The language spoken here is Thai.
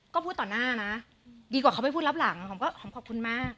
ก็พูดต่อหน้านะดีกว่าเขาไปพูดรับหลังขอบคุณมากค่ะ